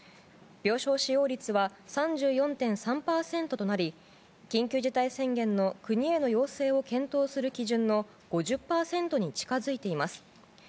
病床使用率は３４．３％となり緊急事態宣言の国への要請を検討する基準の５０％に近づいています。